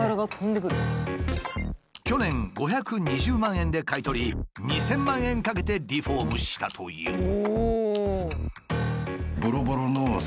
去年５２０万円で買い取り２，０００万円かけてリフォームしたという。